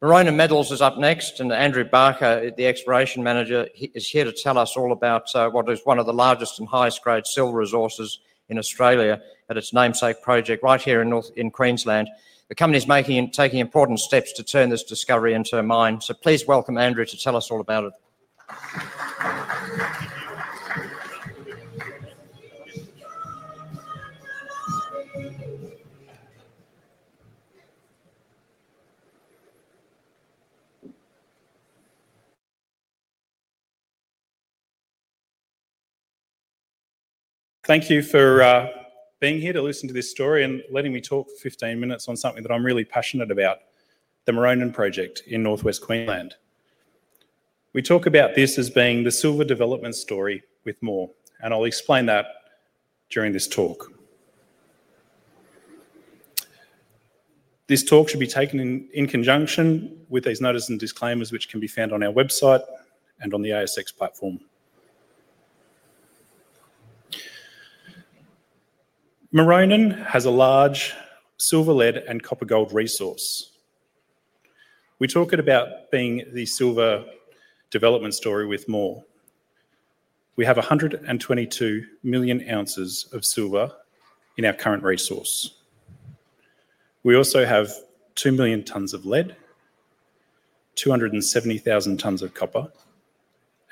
Maronan Metals is up next, and Andrew Barker, the Exploration Manager, is here to tell us all about what is one of the largest and highest-grade silver resources in Australia at its namesake project right here in North in Queensland. The company is making important steps to turn this discovery into a mine. Please welcome Andrew to tell us all about it. Thank you for being here to listen to this story and letting me talk for 15 minutes on something that I'm really passionate about, the Maronan Project in Northwest Queensland. We talk about this as being the silver development story with more, and I'll explain that during this talk. This talk should be taken in conjunction with these notices and disclaimers, which can be found on our website and on the ASX platform. Maronan has a large silver, lead, and copper gold resource. We talk about being the silver development story with more. We have 122 million ounces of silver in our current resource. We also have 2 million tons of lead, 270,000 tons of copper,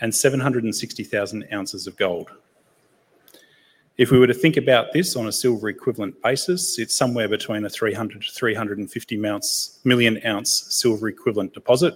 and 760,000 ounces of gold. If we were to think about this on a silver equivalent basis, it's somewhere between a 300 to 350 million ounce silver equivalent deposit.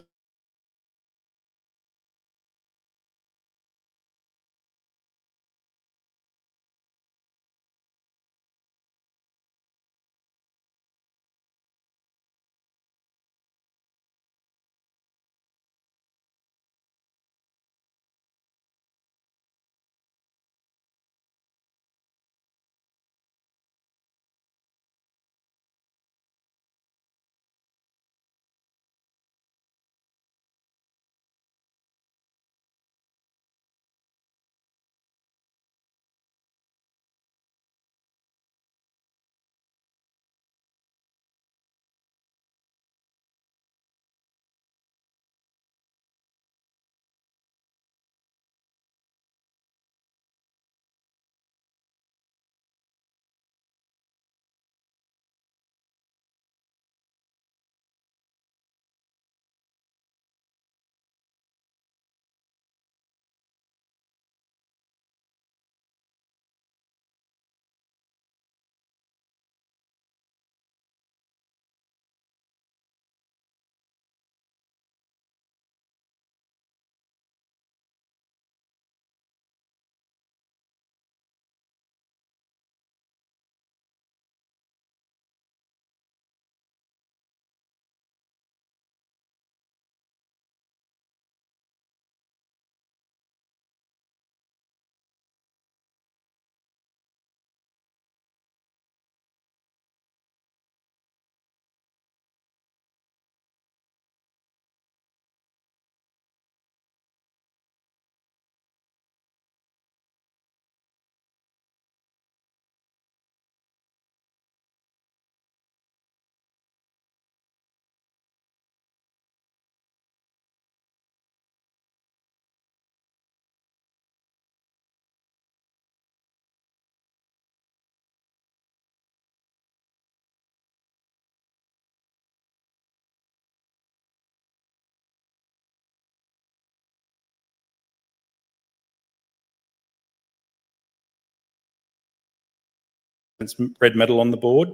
Prince Red Medal on the board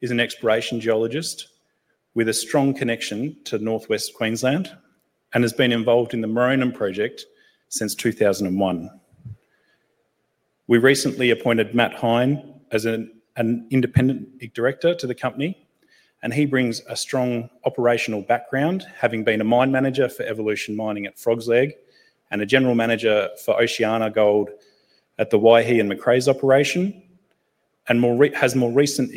is an exploration geologist with a strong connection to Northwest Queensland and has been involved in the Maronan Project since 2001. We recently appointed Matt Heine as an independent director to the company, and he brings a strong operational background, having been a mine manager for Evolution Mining at Frogsleg and a General Manager for Oceana Gold at the Waihi and Macraes operation, and has more recent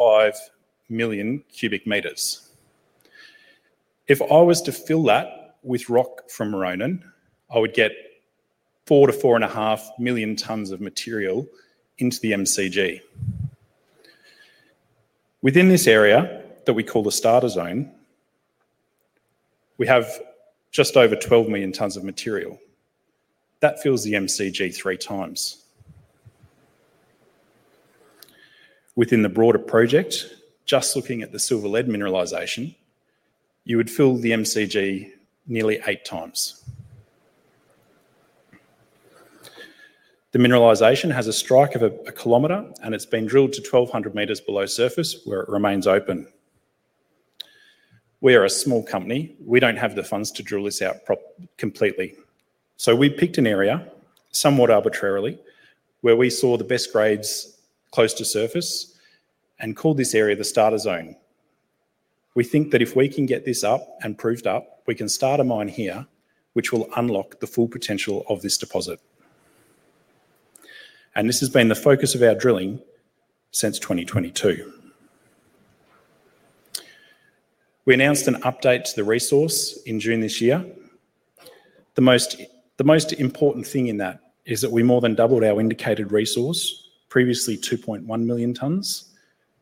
investments. Million cubic meters. If I was to fill that with rock from Maronan, I would get four to four and a half million tons of material into the MCG. Within this area that we call the starter zone, we have just over 12 million tons of material that fills the MCG three times. Within the broader project, just looking at the silver lead mineralization, you would fill the MCG nearly eight times. The mineralization has a strike of a kilometer, and it's been drilled to 1,200 meters below surface where it remains open. We are a small company. We don't have the funds to drill this out completely. We picked an area somewhat arbitrarily where we saw the best grades close to surface and call this area the starter zone. We think that if we can get this up and proved up, we can start a mine here which will unlock the full potential of this deposit. This has been the focus of our drilling since 2022. We announced an update to the resource in June this year. The most important thing in that is that we more than doubled our indicated resource, previously 2.1 million tons,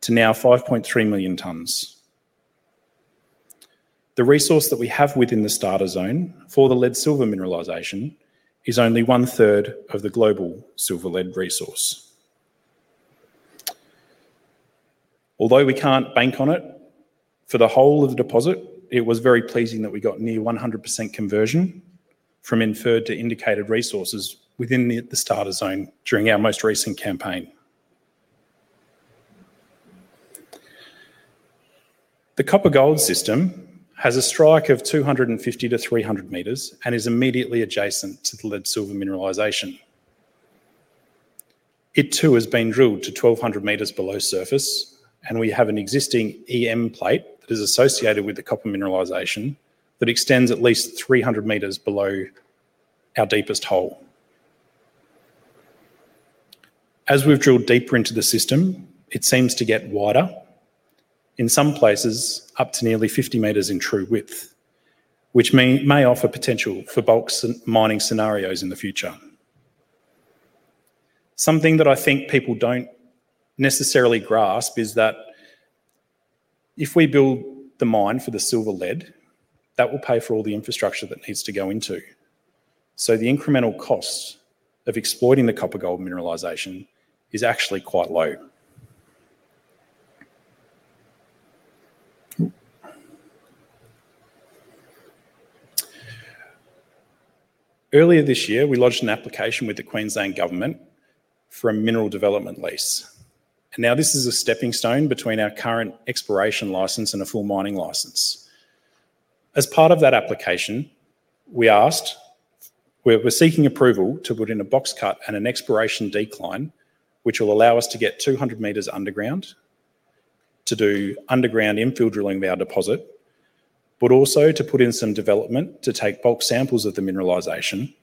to now 5.3 million tons. The resource that we have within the starter zone for the lead silver mineralization is only one-third of the global silver lead resource. Although we can't bank on it for the whole of the deposit, it was very pleasing that we got near 100% conversion from inferred to indicated resources within the starter zone during our most recent campaign. The copper gold system has a strike of 250 to 300 meters and is immediately adjacent to the lead silver mineralization. It too has been drilled to 1,200 meters below surface, and we have an existing EM plate that is associated with the copper mineralization that extends at least 300 meters below our deepest hole. As we've drilled deeper into the system, it seems to get wider. In some places, up to nearly 50 meters in true width, which may offer potential for bulk mining scenarios in the future. Something that I think people don't necessarily grasp is that if we build the mine for the silver lead, that will pay for all the infrastructure that needs to go in. The incremental cost of exploiting the copper gold mineralization is actually quite low. Earlier this year, we launched an application with the Queensland government for a Mineral Development Lease. This is a stepping stone between our current exploration license and a full mining license. As part of that application, we are seeking approval to put in a box cut and an exploration decline which will allow us to get 200 meters underground to do underground infill drilling of our deposit, but also to put in some development to take bulk samples of the mineralization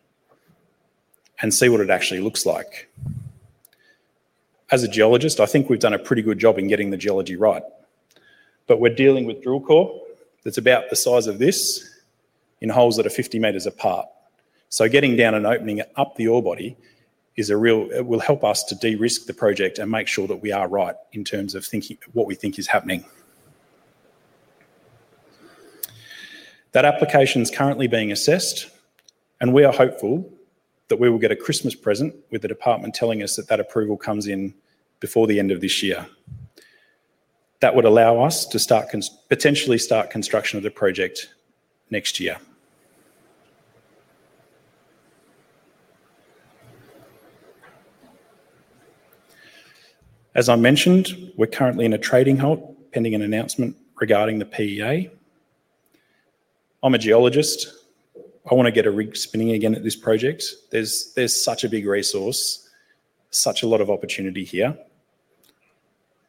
and see what it actually looks like. As a geologist, I think we've done a pretty good job in getting the geology right. We're dealing with drill core that's about the size of this in holes that are 50 meters apart. Getting down and opening up the ore body is a real step. It will help us to de-risk the project and make sure that we are right in terms of thinking what we think is happening. That application is currently being assessed, and we are hopeful that we will get a Christmas present with the department telling us that that approval comes in before the end of this year. That would allow us to start... Potentially start construction of the project next year. As I mentioned, we're currently in a trading halt pending an announcement regarding the PEA. I'm a geologist. I want to get a rig spinning again at this project. There's such a big resource, such a lot of opportunity here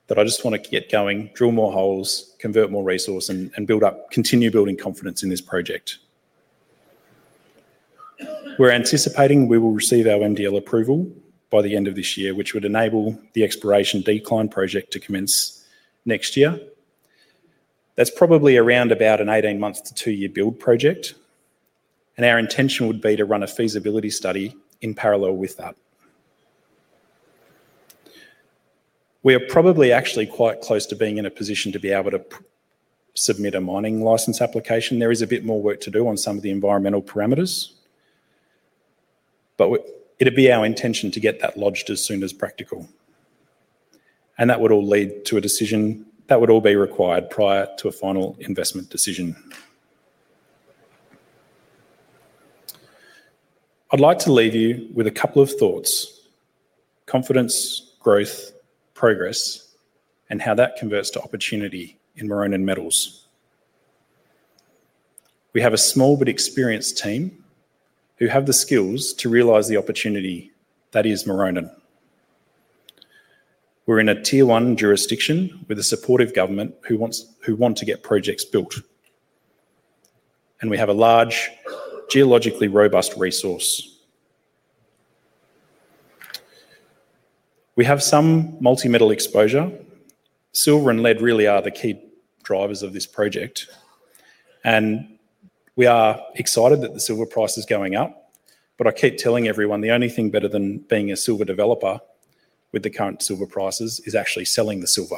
that I just want to get going, drill more holes, convert more resource, and build up, continue building confidence in this project. We're anticipating we will receive our Mineral Development Lease approval by the end of this year, which would enable the exploration decline project to commence next year. That's probably around about an 18-month to two-year build project. Our intention would be to run a feasibility study in parallel with that. We are probably actually quite close to being in a position to be able to submit a mining license application. There is a bit more work to do on some of the environmental parameters, but it'd be our intention to get that lodged as soon as practical. That would all lead to a decision that would all be required prior to a final investment decision. I'd like to leave you with a couple of thoughts: confidence, growth, progress, and how that converts to opportunity in Maronan Metals. We have a small but experienced team who have the skills to realize the opportunity that is Maronan. We're in a tier-one jurisdiction with a supportive government who want to get projects built. We have a large, geologically robust resource. We have some multi-metal exposure. Silver and lead really are the key drivers of this project. We are excited that the silver price is going up. I keep telling everyone, the only thing better than being a silver developer with the current silver prices is actually selling the silver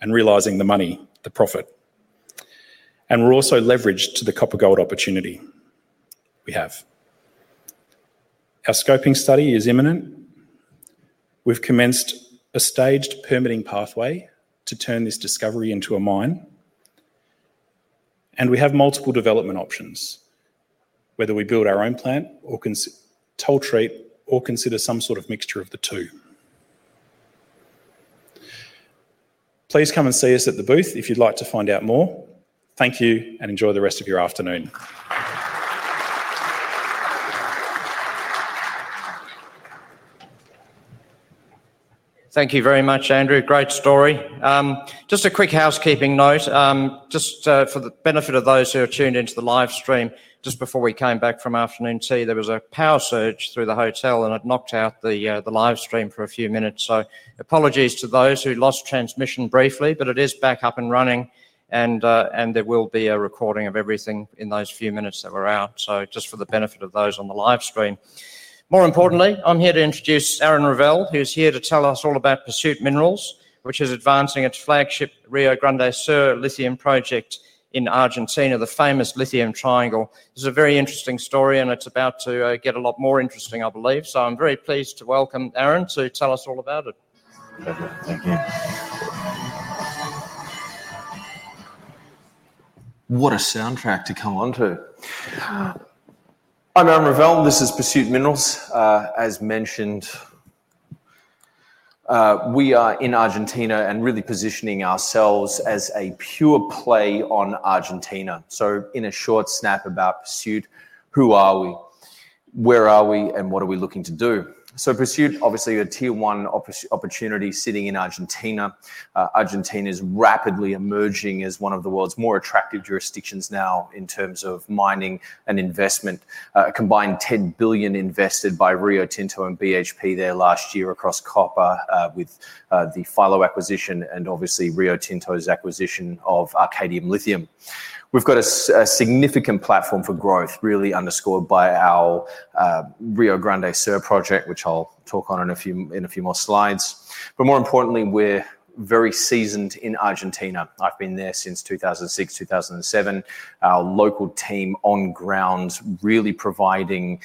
and realizing the money, the profit. We're also leveraged to the copper gold opportunity we have. Our scoping study is imminent. We've commenced a staged permitting pathway to turn this discovery into a mine. We have multiple development options, whether we build our own plant or concentrator or consider some sort of mixture of the two. Please come and see us at the booth if you'd like to find out more. Thank you and enjoy the rest of your afternoon. Thank you very much, Andrew. Great story. Just a quick housekeeping note, just for the benefit of those who are tuned into the live stream, just before we came back from afternoon tea, there was a power surge through the hotel and it knocked out the live stream for a few minutes. Apologies to those who lost transmission briefly, but it is back up and running and there will be a recording of everything in those few minutes that were out. For the benefit of those on the live stream, I'm here to introduce Aaron Revelle, who's here to tell us all about Pursuit Minerals, which is advancing its flagship Rio Grande Sur lithium project in Argentina, the famous Lithium Triangle. It's a very interesting story and it's about to get a lot more interesting, I believe. I'm very pleased to welcome Aaron to tell us all about it. Thank you. What a soundtrack to come onto. I'm Aaron Revelle. This is Pursuit Minerals. As mentioned, we are in Argentina and really positioning ourselves as a pure play on Argentina. In a short snap about Pursuit, who are we, where are we, and what are we looking to do? Pursuit, obviously a tier-one opportunity sitting in Argentina. Argentina is rapidly emerging as one of the world's more attractive jurisdictions now in terms of mining and investment. A combined $10 billion invested by Rio Tinto and BHP there last year across copper with the Filo acquisition and Rio Tinto's acquisition of Arcadium Lithium. We've got a significant platform for growth, really underscored by our Rio Grande Sur project, which I'll talk on in a few more slides. More importantly, we're very seasoned in Argentina. I've been there since 2006, 2007. Our local team on ground is really providing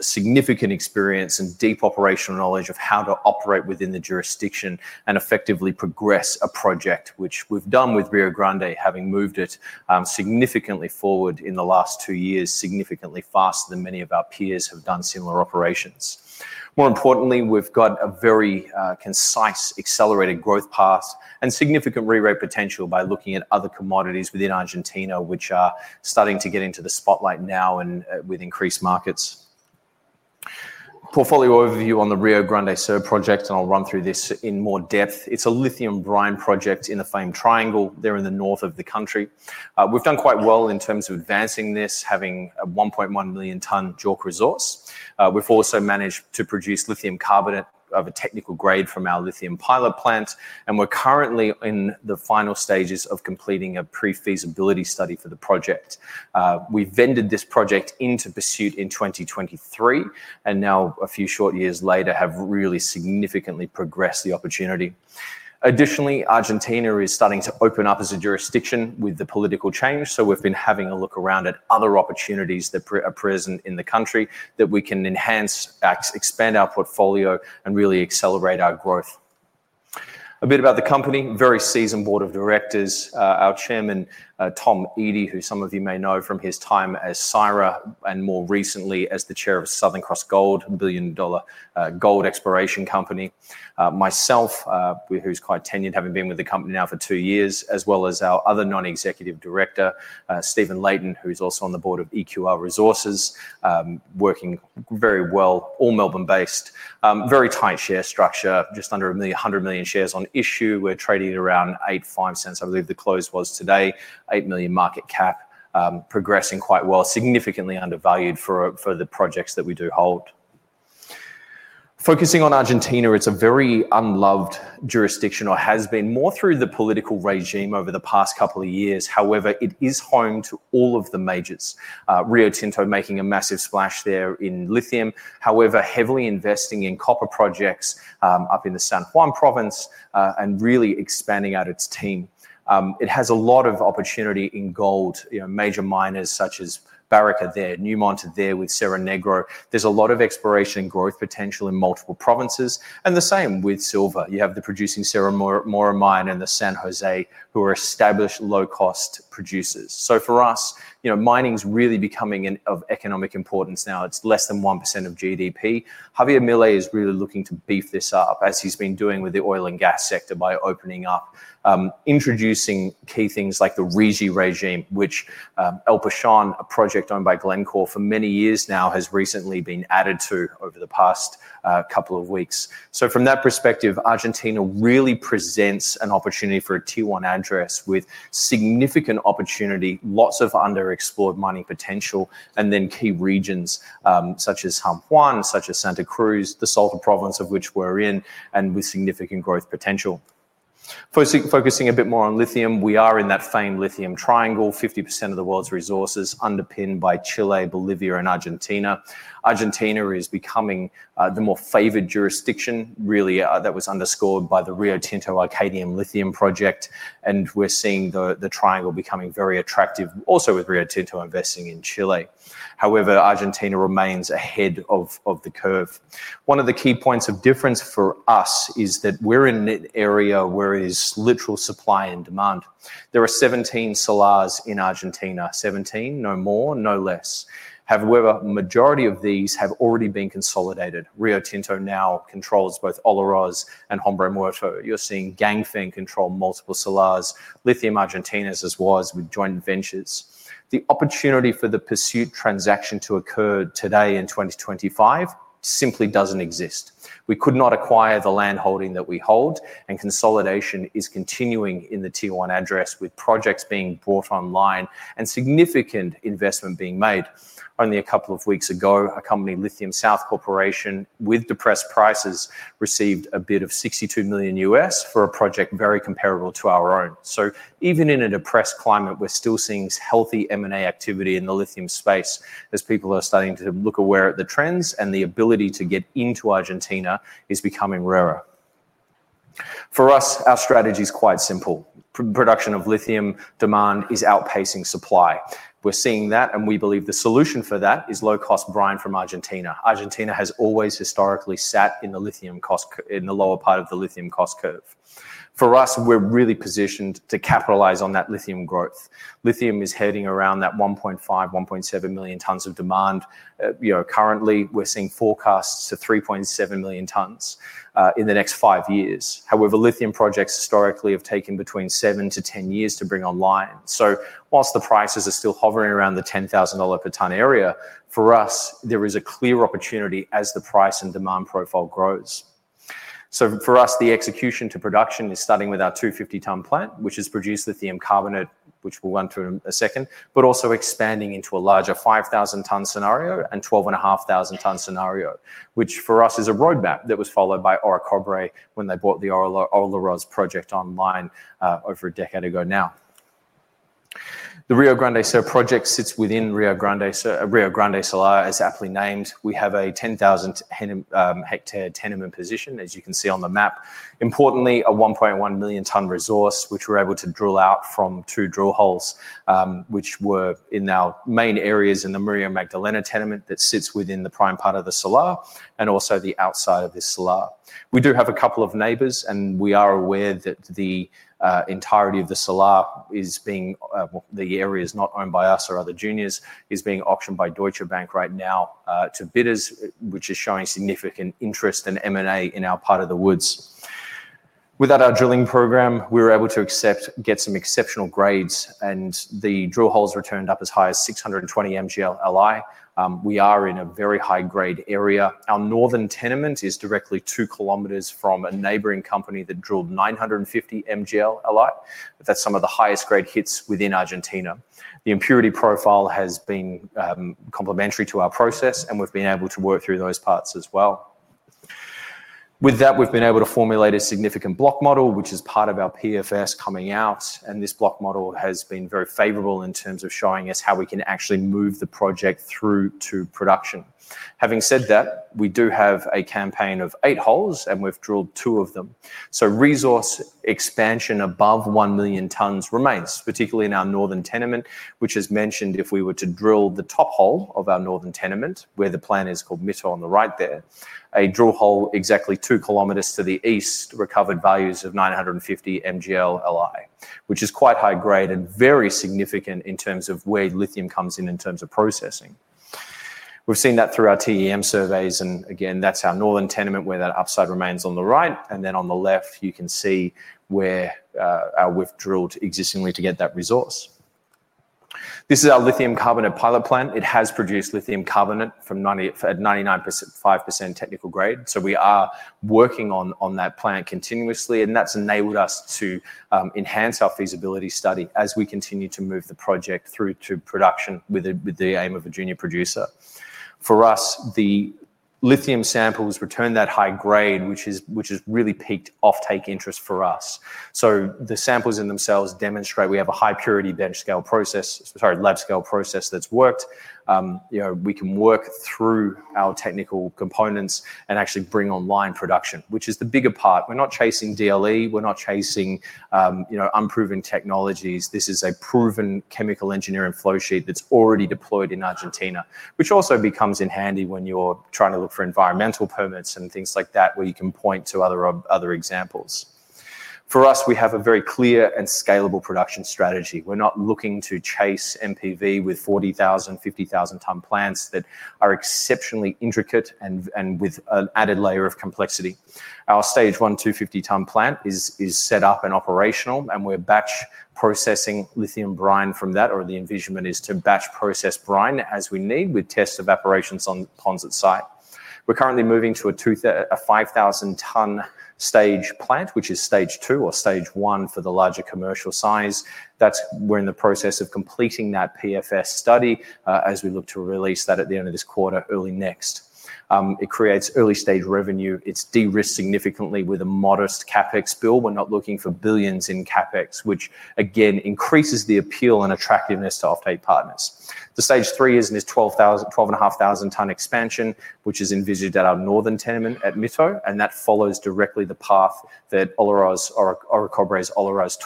significant experience and deep operational knowledge of how to operate within the jurisdiction and effectively progress a project, which we've done with Rio Grande, having moved it significantly forward in the last two years, significantly faster than many of our peers have done similar operations. More importantly, we've got a very concise accelerated growth path and significant rerate potential by looking at other commodities within Argentina, which are starting to get into the spotlight now and with increased markets. Portfolio overview on the Rio Grande Sur project, and I'll run through this in more depth. It's a lithium brine project in the Lithium Triangle there in the north of the country. We've done quite well in terms of advancing this, having a 1.1 million ton JORC resource. We've also managed to produce lithium carbonate of a technical grade from our lithium pilot plant, and we're currently in the final stages of completing a pre-feasibility study for the project. We've vended this project into Pursuit in 2023, and now a few short years later have really significantly progressed the opportunity. Additionally, Argentina is starting to open up as a jurisdiction with the political change, so we've been having a look around at other opportunities that are present in the country that we can enhance, expand our portfolio, and really accelerate our growth. A bit about the company, very seasoned Board of Directors, our Chairman, Tom Edie, who some of you may know from his time as CIRA, and more recently as the Chair of Southern Cross Gold, a billion-dollar gold exploration company. Myself, who's quite tenured, having been with the company now for two years, as well as our other Non-Executive Director, Stephen Layton, who's also on the board of EQR Resources, working very well, all Melbourne-based, very tight share structure, just under 100 million shares on issue. We're trading around $0.085, I believe the close was today, $8 million market cap, progressing quite well, significantly undervalued for the projects that we do hold. Focusing on Argentina, it's a very unloved jurisdiction or has been more through the political regime over the past couple of years. However, it is home to all of the majors. Rio Tinto making a massive splash there in lithium, however, heavily investing in copper projects up in the San Juan province and really expanding out its team. It has a lot of opportunity in gold, you know, major miners such as Barrick are there, Newmont are there with Cerro Negro. There's a lot of exploration and growth potential in multiple provinces. The same with silver. You have the producing Cerro Moro mine and the San Jose, who are established low-cost producers. For us, you know, mining's really becoming of economic importance now. It's less than 1% of GDP. Javier Milei is really looking to beef this up, as he's been doing with the oil and gas sector by opening up, introducing key things like the REGI regime, which El Pachón, a project owned by Glencore for many years now, has recently been added to over the past couple of weeks. From that perspective, Argentina really presents an opportunity for a T1 address with significant opportunity, lots of underexplored mining potential, and then key regions such as San Juan, such as Santa Cruz, the Salta Province of which we're in, and with significant growth potential. Focusing a bit more on lithium, we are in that famed Lithium Triangle, 50% of the world's resources underpinned by Chile, Bolivia, and Argentina. Argentina is becoming the more favored jurisdiction, really, that was underscored by the Rio Tinto Arcadium Lithium project, and we're seeing the triangle becoming very attractive, also with Rio Tinto investing in Chile. However, Argentina remains ahead of the curve. One of the key points of difference for us is that we're in an area where it is literal supply and demand. There are 17 salars in Argentina, 17, no more, no less. However, the majority of these have already been consolidated. Rio Tinto now controls both Olaroz and Hombre Muerto. You're seeing Ganfeng control multiple salars, Lithium Argentina as was with joint ventures. The opportunity for the Pursuit transaction to occur today in 2025 simply doesn't exist. We could not acquire the landholding that we hold, and consolidation is continuing in the T1 address with projects being brought online and significant investment being made. Only a couple of weeks ago, a company, Lithium South Corporation, with depressed prices received a bid of $62 million US for a project very comparable to our own. Even in a depressed climate, we're still seeing healthy M&A activity in the lithium space as people are starting to look aware of the trends, and the ability to get into Argentina is becoming rarer. For us, our strategy is quite simple. Production of lithium demand is outpacing supply. We're seeing that, and we believe the solution for that is low-cost brine from Argentina. Argentina has always historically sat in the lithium cost in the lower part of the lithium cost curve. For us, we're really positioned to capitalize on that lithium growth. Lithium is hovering around that 1.5, 1.7 million tons of demand. You know, currently, we're seeing forecasts of 3.7 million tons in the next five years. However, lithium projects historically have taken between seven to ten years to bring online. Whilst the prices are still hovering around the $10,000 per ton area, for us, there is a clear opportunity as the price and demand profile grows. For us, the execution to production is starting with our 250-ton plant, which has produced lithium carbonate, which we'll run through in a second, but also expanding into a larger 5,000-ton scenario and 12,500-ton scenario, which for us is a roadmap that was followed by Orocobre when they brought the Olaroz project online over a decade ago now. The Rio Grande Sur project sits within Rio Grande Sur, Rio Grande Sur, as aptly named. We have a 10,000-hectare tenement position, as you can see on the map. Importantly, a 1.1 million-ton resource, which we're able to drill out from two drill holes, which were in our main areas in the Maria Magdalena tenement that sits within the prime part of the salar and also the outside of this salar. We do have a couple of neighbors, and we are aware that the entirety of the salar is being, the area is not owned by us or other juniors, is being auctioned by Deutsche Bank right now to bidders, which is showing significant interest in M&A in our part of the woods. With our drilling program, we were able to get some exceptional grades, and the drill holes returned up as high as 620 mg/L Li. We are in a very high-grade area. Our northern tenement is directly two kilometers from a neighboring company that drilled 950 mg/L Li. That's some of the highest grade hits within Argentina. The impurity profile has been complementary to our process, and we've been able to work through those parts as well. With that, we've been able to formulate a significant block model, which is part of our pre-feasibility study coming out, and this block model has been very favorable in terms of showing us how we can actually move the project through to production. Having said that, we do have a campaign of eight holes, and we've drilled two of them. Resource expansion above 1 million tons remains, particularly in our northern tenement, which is mentioned if we were to drill the top hole of our northern tenement, where the plan is called Mito on the right there, a drill hole exactly two kilometers to the east, recovered values of 950 mg/L Li, which is quite high grade and very significant in terms of where lithium comes in in terms of processing. We've seen that through our TEM surveys, and again, that's our northern tenement where that upside remains on the right, and then on the left, you can see where we've drilled existingly to get that resource. This is our lithium carbonate pilot plant. It has produced lithium carbonate from 99% to 5% technical grade. We are working on that plant continuously, and that's enabled us to enhance our feasibility study as we continue to move the project through to production with the aim of a junior producer. For us, the lithium samples return that high grade, which has really peaked off-take interest for us. The samples in themselves demonstrate we have a high purity bench scale process, sorry, lab scale process that's worked. We can work through our technical components and actually bring online production, which is the bigger part. We're not chasing DLE, we're not chasing unproven technologies. This is a proven chemical engineering flow sheet that's already deployed in Argentina, which also comes in handy when you're trying to look for environmental permits and things like that, where you can point to other examples. For us, we have a very clear and scalable production strategy. We're not looking to chase NPV with 40,000, 50,000-ton plants that are exceptionally intricate and with an added layer of complexity. Our stage one, 250-ton plant is set up and operational, and we're batch processing lithium brine from that, or the envisionment is to batch process brine as we need with test evaporations on ponds at site. We're currently moving to a 5,000-ton stage plant, which is stage two or stage one for the larger commercial size. We're in the process of completing that pre-feasibility study as we look to release that at the end of this quarter, early next. It creates early-stage revenue. It's de-risked significantly with a modest CapEx bill. We're not looking for billions in CapEx, which again increases the appeal and attractiveness to our paid partners. The stage three is in this 12,500-ton expansion, which is envisioned at our northern tenement at Mito, and that follows directly the path that Olaroz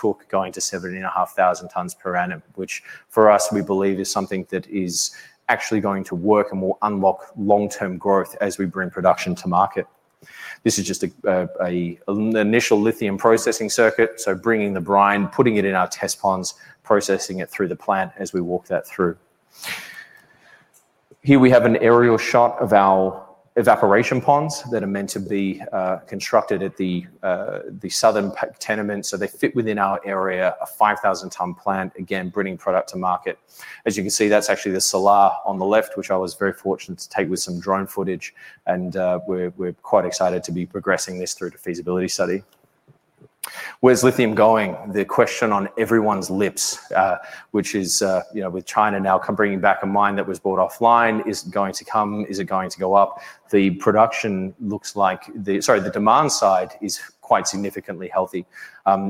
took going to 7,500 tons per annum, which for us, we believe, is something that is actually going to work and will unlock long-term growth as we bring production to market. This is just an initial lithium processing circuit, so bringing the brine, putting it in our test ponds, processing it through the plant as we walk that through. Here we have an aerial shot of our evaporation ponds that are meant to be constructed at the southern tenement, so they fit within our area, a 5,000-ton plant, again bringing product to market. As you can see, that's actually the solar on the left, which I was very fortunate to take with some drone footage, and we're quite excited to be progressing this through to feasibility study. Where's lithium going? The question on everyone's lips, which is, you know, with China now coming back, a mine that was brought offline is going to come, is it going to go up? The production looks like the, sorry, the demand side is quite significantly healthy.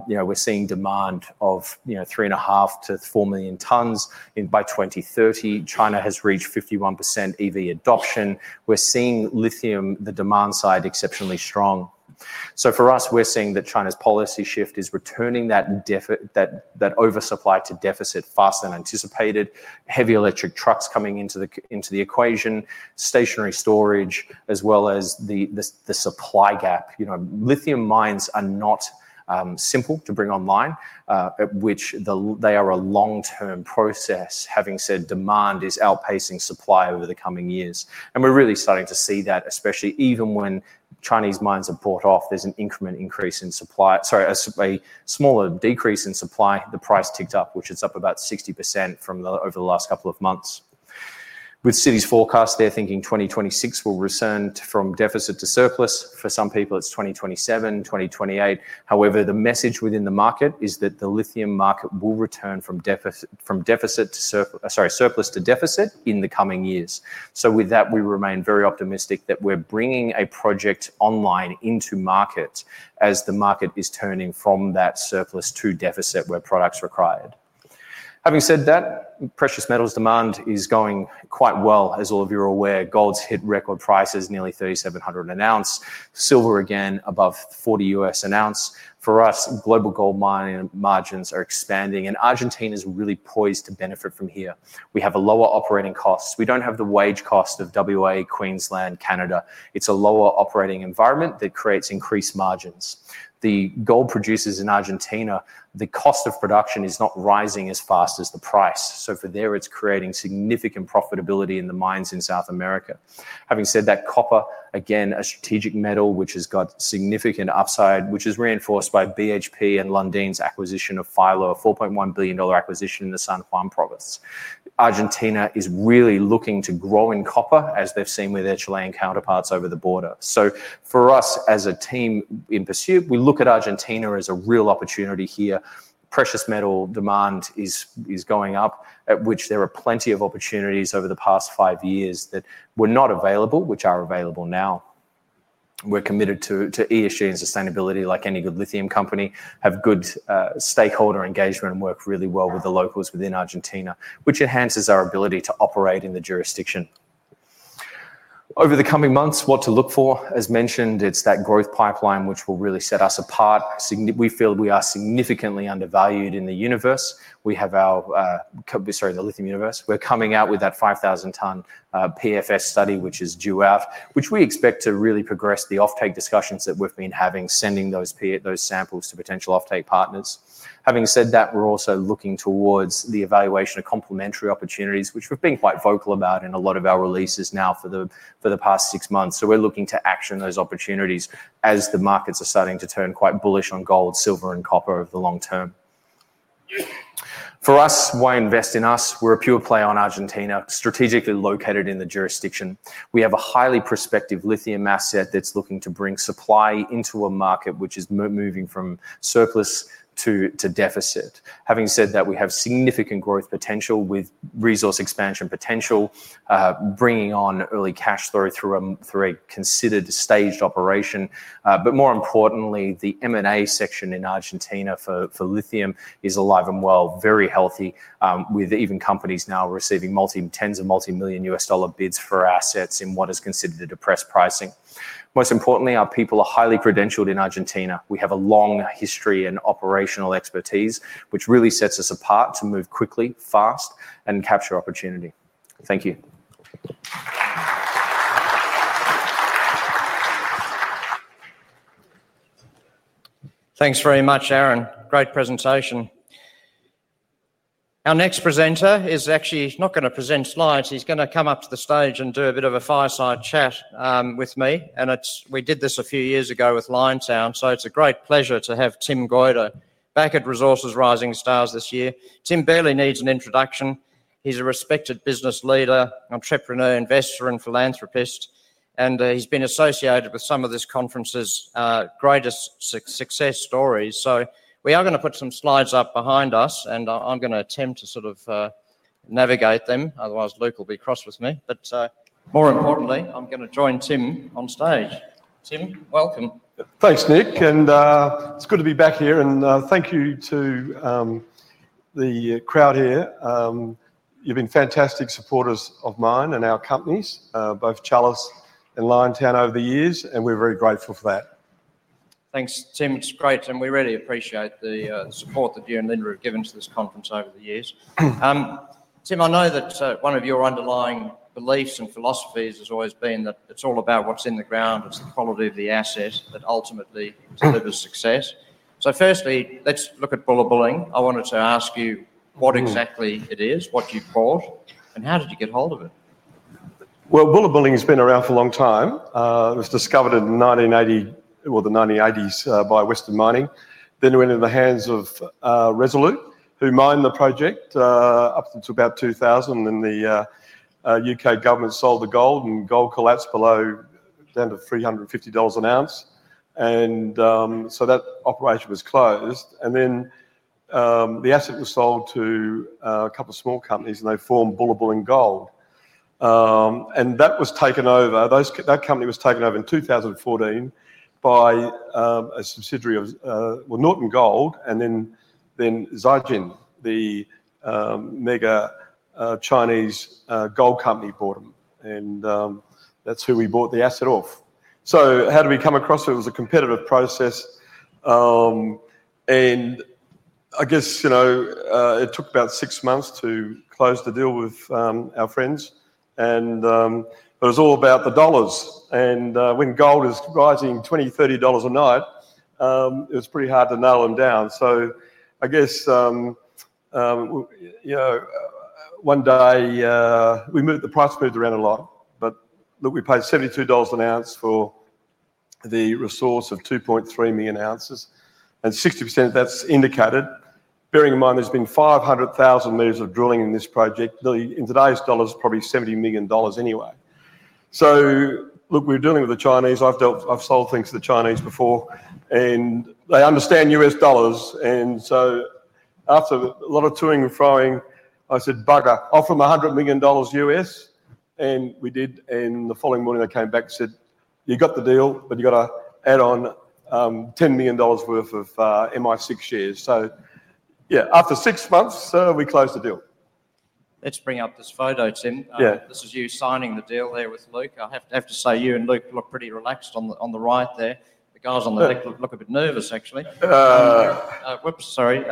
We're seeing demand of, you know, 3.5 to 4 million tons by 2030. China has reached 51% EV adoption. We're seeing lithium, the demand side, exceptionally strong. For us, we're seeing that China's policy shift is returning that oversupply to deficit faster than anticipated. Heavy electric trucks coming into the equation, stationary storage, as well as the supply gap. Lithium mines are not simple to bring online, at which they are a long-term process. Having said, demand is outpacing supply over the coming years. We're really starting to see that, especially even when Chinese mines are bought off, there's an increment increase in supply. Sorry, as a smaller decrease in supply, the price ticked up, which is up about 60% over the last couple of months. With Citi's forecast, they're thinking 2026 will return from deficit to surplus. For some people, it's 2027, 2028. However, the message within the market is that the lithium market will return from deficit to surplus to deficit in the coming years. With that, we remain very optimistic that we're bringing a project online into market as the market is turning from that surplus to deficit where products are required. Having said that, precious metals demand is going quite well, as all of you are aware. Gold's hit record prices, nearly $3,700 an ounce. Silver again above $40 US an ounce. For us, global gold mining margins are expanding, and Argentina is really poised to benefit from here. We have a lower operating cost. We don't have the wage cost of WA, Queensland, Canada. It's a lower operating environment that creates increased margins. The gold producers in Argentina, the cost of production is not rising as fast as the price. For there, it's creating significant profitability in the mines in South America. Having said that, copper, again, a strategic metal which has got significant upside, which is reinforced by BHP and Lundin's acquisition of Filo, a $4.1 billion acquisition in the San Juan province. Argentina is really looking to grow in copper, as they've seen with their Chilean counterparts over the border. For us, as a team in Pursuit, we look at Argentina as a real opportunity here. Precious metal demand is going up, at which there are plenty of opportunities over the past five years that were not available, which are available now. We're committed to ESG and sustainability, like any good lithium company, have good stakeholder engagement and work really well with the locals within Argentina, which enhances our ability to operate in the jurisdiction. Over the coming months, what to look for, as mentioned, it's that growth pipeline which will really set us apart. We feel we are significantly undervalued in the universe. We have our, sorry, the lithium universe. We're coming out with that 5,000-ton PFS study, which is due out, which we expect to really progress the off-take discussions that we've been having, sending those samples to potential off-take partners. Having said that, we're also looking towards the evaluation of complementary opportunities, which we've been quite vocal about in a lot of our releases now for the past six months. We're looking to action those opportunities as the markets are starting to turn quite bullish on gold, silver, and copper over the long term. For us, why invest in us? We're a pure play on Argentina, strategically located in the jurisdiction. We have a highly prospective lithium asset that's looking to bring supply into a market which is moving from surplus to deficit. We have significant growth potential with resource expansion potential, bringing on early cash flow through a considered staged operation. More importantly, the M&A section in Argentina for lithium is alive and well, very healthy, with even companies now receiving tens of multi-million US dollar bids for assets in what is considered a depressed pricing. Most importantly, our people are highly credentialed in Argentina. We have a long history and operational expertise, which really sets us apart to move quickly, fast, and capture opportunity. Thank you. Thanks very much, Aaron. Great presentation. Our next presenter is actually not going to present slides. He's going to come up to the stage and do a bit of a fireside chat with me. We did this a few years ago with Liontown. It's a great pleasure to have Tim Goiter back at Resources Rising Stars this year. Tim barely needs an introduction. He's a respected business leader, entrepreneur, investor, and philanthropist. He's been associated with some of this conference's greatest success stories. We are going to put some slides up behind us, and I'm going to attempt to sort of navigate them. Otherwise, Luke will be cross with me. More importantly, I'm going to join Tim on stage. Tim, welcome. Thanks, Nick. It's good to be back here. Thank you to the crowd here. You've been fantastic supporters of mine and our companies, both Chalice and Liontown over the years, and we're very grateful for that. Thanks, Tim. It's great, and we really appreciate the support that you and Linda have given to this conference over the years. Tim, I know that one of your underlying beliefs and philosophies has always been that it's all about what's in the ground. It's the quality of the asset that ultimately delivers success. Firstly, let's look at Bulla Bulling. I wanted to ask you what exactly it is, what you caught, and how did you get hold of it? Bulla Bulling has been around for a long time. It was discovered in the 1980s by Western Mining. It went into the hands of Resolute, who mined the project up until about 2000. The UK government sold the gold, and gold collapsed below down to $350 an ounce. That operation was closed. The asset was sold to a couple of small companies, and they formed Bulla Bulling Gold. That company was taken over in 2014 by a subsidiary of Norton Gold. Zajin, the mega Chinese gold company, bought them. That's who we bought the asset off. How did we come across it? It was a competitive process. It took about six months to close the deal with our friends. It was all about the dollars. When gold is rising $20, $30 a night, it was pretty hard to nail them down. One day we moved the price feed around a lot. We paid $72 an ounce for the resource of 2.3 million ounces, and 60% of that's indicated. Bearing in mind there's been 500,000 meters of drilling in this project. In today's dollars, it's probably $70 million anyway. We're dealing with the Chinese. I've sold things to the Chinese before, and they understand U.S. dollars. After a lot of toing and froing, I said, "Bugger, offer them $100 million U.S." We did. The following morning they came back and said, "You got the deal, but you got to add on $10 million worth of MI6 shares." After six months, we closed the deal. Let's bring up this photo, Tim. This is you signing the deal there with Luke. I have to say you and Luke look pretty relaxed on the right there. The guys on the left look a bit nervous, actually. Sorry.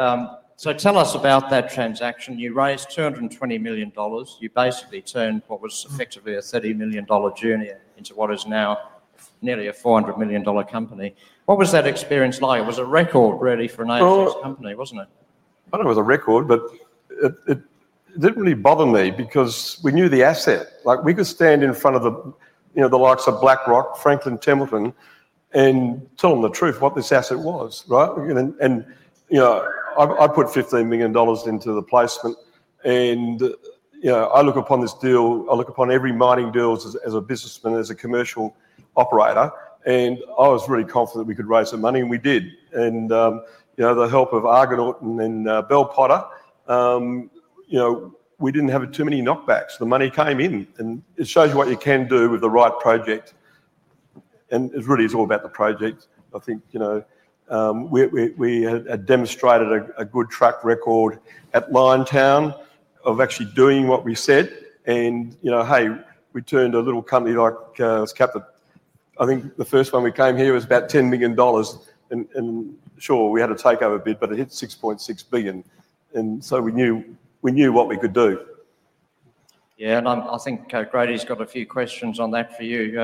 Tell us about that transaction. You raised $220 million. You basically turned what was effectively a $30 million journey into what is now nearly a $400 million company. What was that experience like? It was a record, really, for an ASX company, wasn't it? I thought it was a record, but it didn't really bother me because we knew the asset. We could stand in front of the likes of BlackRock, Franklin, Templeton, and tell them the truth, what this asset was, right? I put $15 million into the placement. I look upon this deal, I look upon every mining deal as a businessman, as a commercial operator. I was really confident we could raise the money, and we did. With the help of Argonaut and then Bill Potter, we didn't have too many knockbacks. The money came in, and it shows you what you can do with the right project. It really is all about the project. I think we had demonstrated a good track record at Liontown of actually doing what we said. We turned a little company like Scapit—I think the first one we came here was about $10 million. We had to take over a bit, but it hit $6.6 billion. We knew what we could do. Yeah, I think Grady's got a few questions on that for you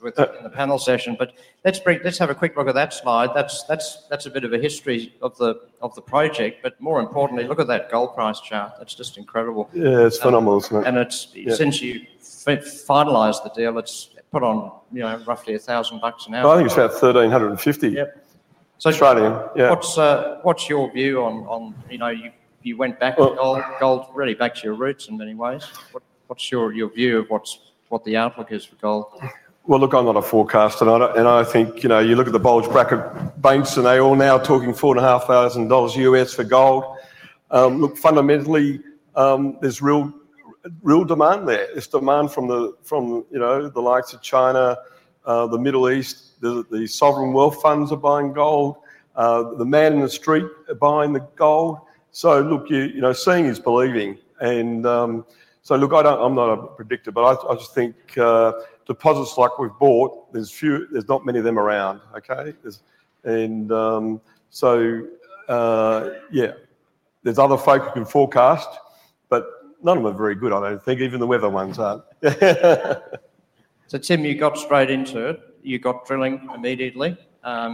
with the panel session. Let's have a quick look at that slide. That's a bit of a history of the project. More importantly, look at that gold price chart. That's just incredible. Yeah, it's phenomenal, isn't it? Since you've finalized the deal, it's put on, you know, roughly $1,000 an ounce. I think it's about $1,350. Yeah, it's right in. What's your view on, you know, you went back to gold, really back to your roots in many ways. What's your view of what the outlook is for gold? I'm not a forecaster. I think, you know, you look at the bullish bracket banks, and they're all now talking $4,500 U.S. for gold. Fundamentally, there's real, real demand there. There's demand from the, you know, the likes of China, the Middle East. The sovereign wealth funds are buying gold. The man in the street are buying the gold. Seeing is believing. I don't, I'm not a predictor, but I just think deposits like we've bought, there's few, there's not many of them around. There's, and yeah, there's other folk who can forecast, but none of them are very good, I don't think. Even the weather ones aren't. Tim, you got straight into it. You got drilling immediately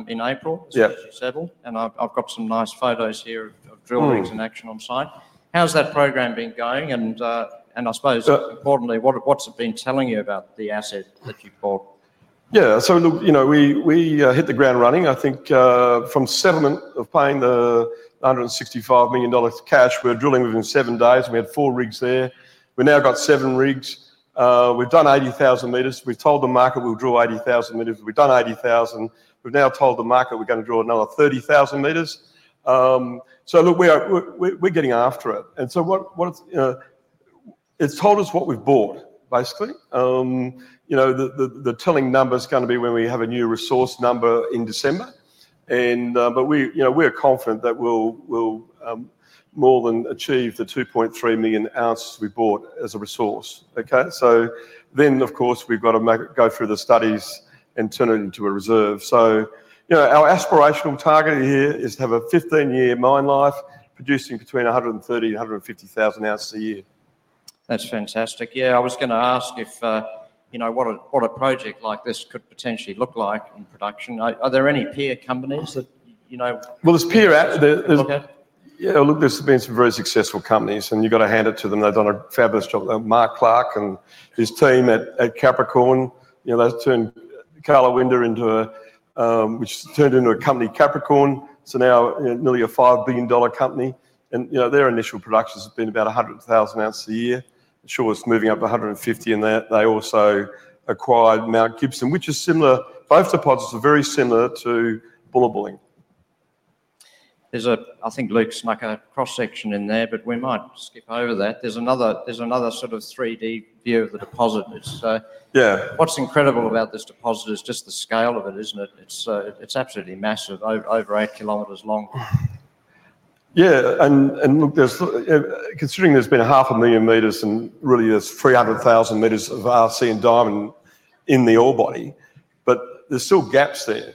in April to settle. I've got some nice photos here of drill rigs in action on site. How's that program been going? I suppose more importantly, what's it been telling you about the asset that you've bought? Yeah, so look, you know, we hit the ground running. I think from settlement of paying the $165 million cash, we're drilling within seven days. We had four rigs there. We've now got seven rigs. We've done 80,000 meters. We've told the market we'll drill 80,000 meters. We've done 80,000. We've now told the market we're going to drill another 30,000 meters. Look, we're getting after it. It's told us what we've bought, basically. The telling number is going to be when we have a new resource number in December. We, you know, we're confident that we'll more than achieve the 2.3 million ounces we bought as a resource. Okay. Of course, we've got to go through the studies and turn it into a reserve. Our aspirational target here is to have a 15-year mine life producing between 130,000 and 150,000 ounces a year. That's fantastic. I was going to ask if, you know, what a project like this could potentially look like in production. Are there any peer companies that, you know? There’s peer app. Yeah, look, there’s been some very successful companies, and you’ve got to hand it to them. They’ve done a fabulous job. Mark Clark and his team at Capricorn, you know, that’s turned Carla Winder into, which turned into a company, Capricorn. Now nearly a $5 billion company, and, you know, their initial productions have been about 100,000 ounces a year. It’s moving up to 150, and they also acquired Mount Gibson, which is similar. Both deposits are very similar to Bulla Bulling. I think Luke's making a cross-section in there, but we might skip over that. There's another sort of 3D view of the deposit. What's incredible about this deposit is just the scale of it, isn't it? It's absolutely massive, over eight kilometers long. Yeah, look, considering there's been $0.5 million meters and really there's 300,000 meters of arsenic diamond in the ore body, there's still gaps there.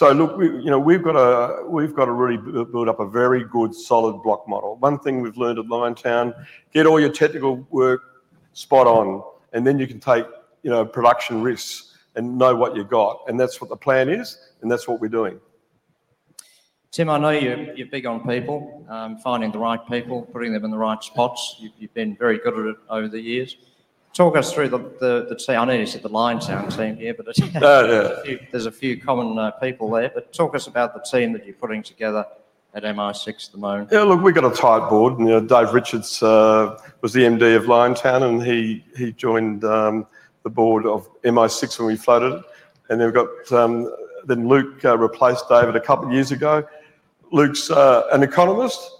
We've got to really build up a very good solid block model. One thing we've learned at Liontown, get all your technical work spot on, then you can take production risks and know what you've got. That's what the plan is, and that's what we're doing. Tim, I know you're big on people, finding the right people, putting them in the right spots. You've been very good at it over the years. Talk us through the team. I know you said the Liontown team, yeah, there's a few common people there. Talk us about the team that you're putting together at Mineral 260 at the moment. Yeah, look, we've got a tight board. You know, Dave Richards was the MD of Liontown, and he joined the board of Mineral 260 when we floated it. Then Luke replaced Dave a couple of years ago. Luke's an economist,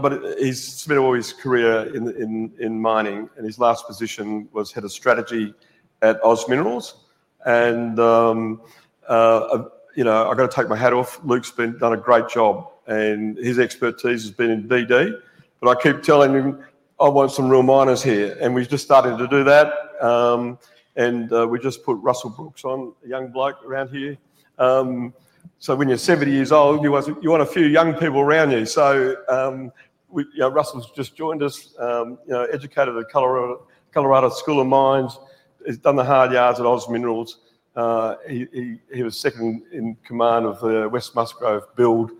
but he's spent all his career in mining, and his last position was Head of Strategy at Oz Minerals. I've got to take my hat off. Luke's done a great job, and his expertise has been in DD. I keep telling him, I want some real miners here. We've just started to do that. We just put Russell Brooks on, a young bloke around here. When you're 70 years old, you want a few young people around you. Russell's just joined us, educated at Colorado School of Mines. He's done the hard yards at Oz Minerals. He was second in command of the West Musgrave build.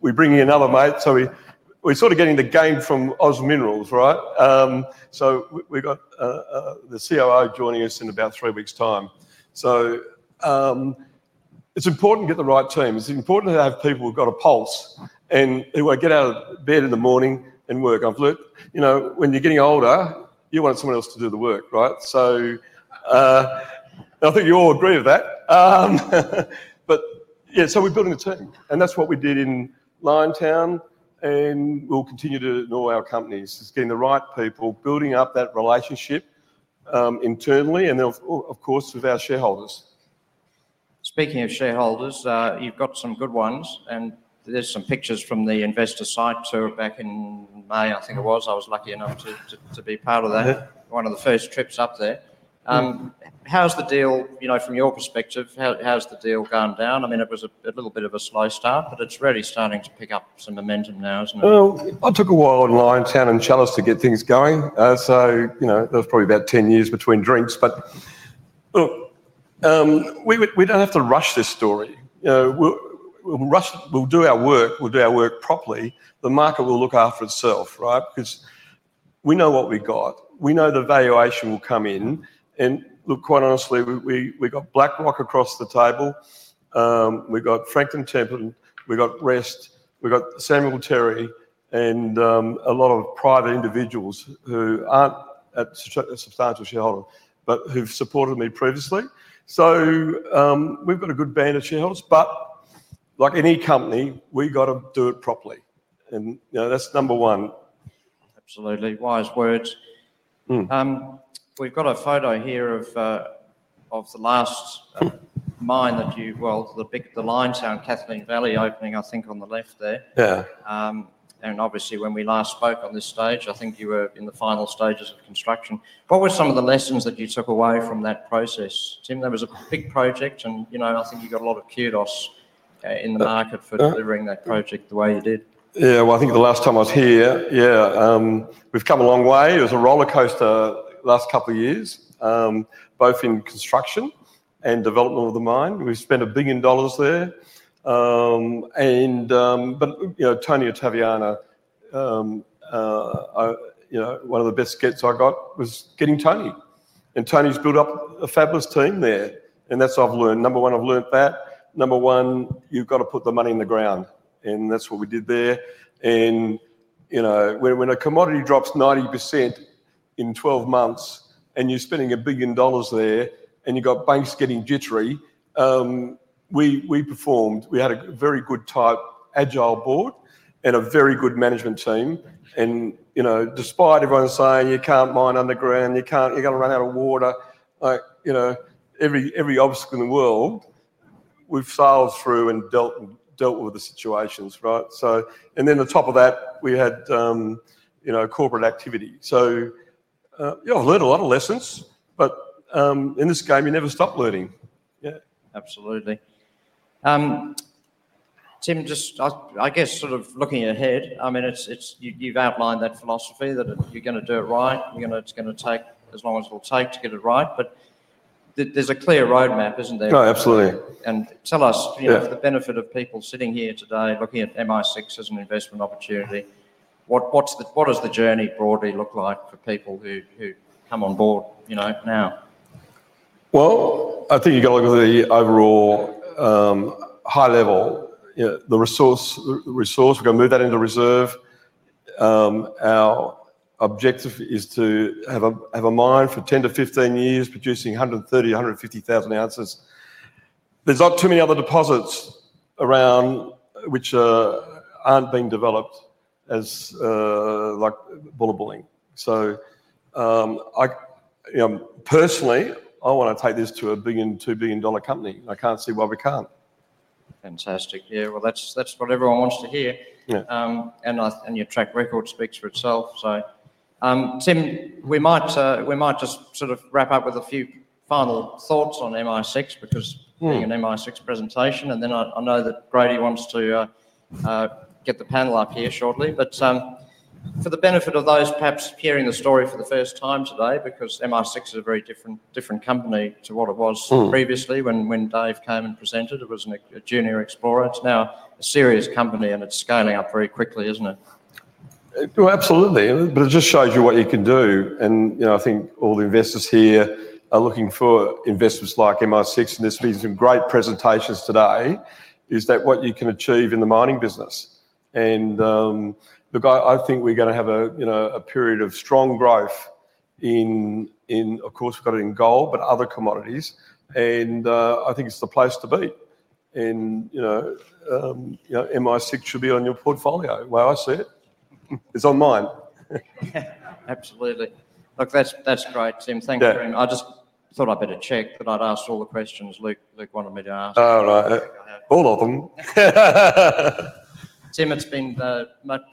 We bring in another mate. We're sort of getting the gain from Oz Minerals, right? We've got the COO joining us in about three weeks' time. It's important to get the right team. It's important to have people who've got a pulse. Anyway, get out of bed in the morning and work. I've learned, when you're getting older, you want someone else to do the work, right? I think you all agree with that. We're building a team. That's what we did in Liontown. We'll continue to do it in all our companies. It's getting the right people, building up that relationship internally, and of course, with our shareholders. Speaking of shareholders, you've got some good ones. There's some pictures from the investor site back in May, I think it was. I was lucky enough to be part of that, one of the first trips up there. How's the deal, you know, from your perspective? How's the deal gone down? It was a little bit of a slow start, but it's really starting to pick up some momentum now, isn't it? It took a while in Liontown and Chalice to get things going. You know, there's probably about 10 years between drinks. We don't have to rush this story. We'll do our work. We'll do our work properly. The market will look after itself, right? We know what we've got. We know the valuation will come in. Quite honestly, we've got BlackRock across the table. We've got Franklin Templeton. We've got REST. We've got Samuel Terry and a lot of private individuals who aren't a substantial shareholder, but who've supported me previously. We've got a good band of shareholders. Like any company, we've got to do it properly. You know, that's number one. Absolutely. Wise words. We've got a photo here of the last mine that you, the Liontown Catalina Valley opening, I think on the left there. Yeah. Obviously, when we last spoke on this stage, I think you were in the final stages of construction. What were some of the lessons that you took away from that process? Tim, that was a big project. I think you got a lot of kudos in the market for delivering that project the way you did. I think the last time I was here, we've come a long way. It was a roller coaster the last couple of years, both in construction and development of the mine. We've spent $1 billion there. One of the best gets I got was getting Tony Ottaviano. Tony's built up a fabulous team there. That's what I've learned. Number one, you've got to put the money in the ground. That's what we did there. When a commodity drops 90% in 12 months, and you're spending $1 billion there, and you've got banks getting jittery, we performed. We had a very good, agile board and a very good management team. Despite everyone saying you can't mine underground, you're going to run out of water, every obstacle in the world, we've sailed through and dealt with the situations, right? On top of that, we had corporate activity. I've learned a lot of lessons, but in this game, you never stop learning. Absolutely. Tim, just, I guess, sort of looking ahead, you've outlined that philosophy that you're going to do it right. It's going to take as long as it'll take to get it right, but there's a clear roadmap, isn't there? Yeah, absolutely. For the benefit of people sitting here today, looking at Maronan Metals as an investment opportunity, what does the journey broadly look like for people who come on board now? I think you've got to look at the overall high level, you know, the resource. We're going to move that into reserve. Our objective is to have a mine for 10 to 15 years producing 130,000 to 150,000 ounces. There's not too many other deposits around which aren't being developed as like Bulla Bulling. Personally, I want to take this to a $1 billion, $2 billion company. I can't see why we can't. Fantastic. That's what everyone wants to hear. Your track record speaks for itself. Tim, we might just sort of wrap up with a few final thoughts on Maronan Metals because we're doing a Maronan Metals presentation. I know that Grady wants to get the panel up here shortly. For the benefit of those perhaps hearing the story for the first time today, Maronan Metals is a very different company to what it was previously when Dave came and presented. It was a junior explorer. It's now a serious company, and it's scaling up very quickly, isn't it? Absolutely. It just shows you what you can do. I think all the investors here are looking for investors like MI6. There have been some great presentations today. That is what you can achieve in the mining business. I think we're going to have a period of strong growth in, of course, we've got it in gold, but other commodities. I think it's the place to be. MI6 should be on your portfolio. The way I see it, it's on mine. Absolutely. Look, that's great, Tim. Thanks very much. I just thought I'd better check that I'd asked all the questions Luke wanted me to ask. All right. All of them. Tim, it's been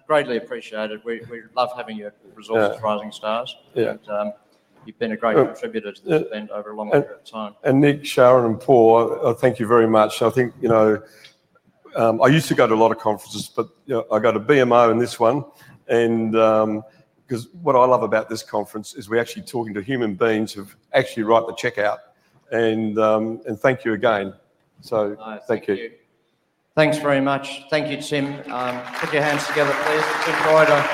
greatly appreciated. We love having you at Resources Trailing Stars. You've been a great contributor to Maronan Metals over a long period of time. Nick, Sharon, and Paul, I thank you very much. I think, you know, I used to go to a lot of conferences. I go to BMO and this one because what I love about this conference is we're actually talking to human beings who've actually wrote the check out. Thank you again. Thank you.